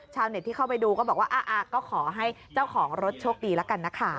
ชาวเน็ตที่เข้าไปดูก็บอกว่าก็ขอให้เจ้าของรถโชคดีแล้วกันนะคะ